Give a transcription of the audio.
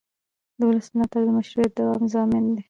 د ولس ملاتړ د مشروعیت دوام ضامن دی